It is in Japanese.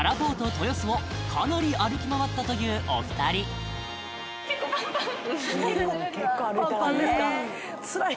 豊洲をかなり歩き回ったというお二人パンパンですか？